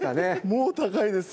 もう高いですよ。